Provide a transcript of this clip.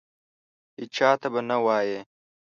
هیچا ته به نه وایې !